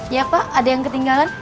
ya pak ada yang ketinggalan